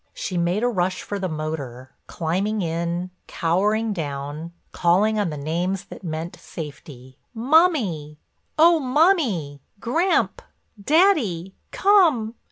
She made a rush for the motor, climbing in, cowering down, calling on the names that meant safety: "Mummy! Oh, Mummy! Gramp, Daddy—Come!